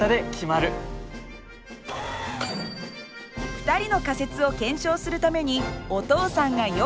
２人の仮説を検証するためにお父さんが用意したのは。